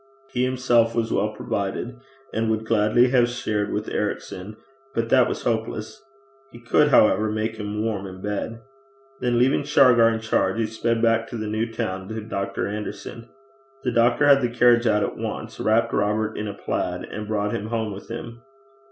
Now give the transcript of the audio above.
He himself was well provided, and would gladly have shared with Ericson, but that was hopeless. He could, however, make him warm in bed. Then leaving Shargar in charge, he sped back to the new town to Dr. Anderson. The doctor had his carriage out at once, wrapped Robert in a plaid and brought him home with him.